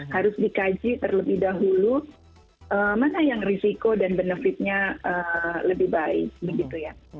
harus dikaji terlebih dahulu mana yang risiko dan benefitnya lebih baik begitu ya